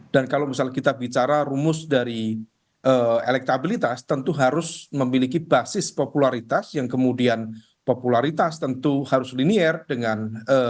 dan kalau misalnya kita bicara rumus dari elektabilitas tentu harus memiliki basis popularitas yang kemudian popularitas tentu harus linier dengan kualitas